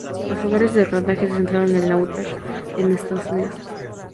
Los lugares de rodaje se centraron en Utah, Estados Unidos.